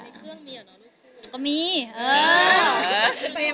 อันนี้เครื่องมีหรอลูกคู่